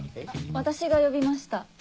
私が呼びました。